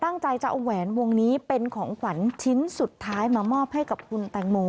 ตั้งใจจะเอาแหวนวงนี้เป็นของขวัญชิ้นสุดท้ายมามอบให้กับคุณแตงโม